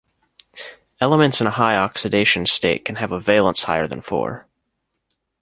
Elements in a high oxidation state can have a valence higher than four.